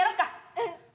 うん。